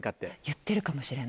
言ってるかもしれない。